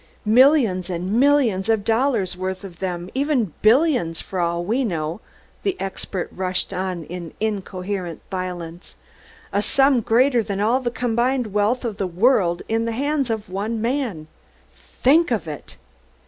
"Millions and millions of dollars' worth of them, even billions, for all we know," the expert rushed on in incoherent violence. "A sum greater than all the combined wealth of the world in the hands of one man! Think of it!"